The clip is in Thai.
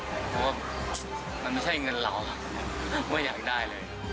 เพราะว่ามันไม่ใช่เงินเราไม่อยากได้เลย